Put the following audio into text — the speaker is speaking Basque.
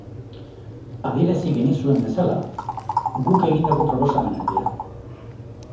Adierazi genizuen bezala, guk egindako proposamenak dira.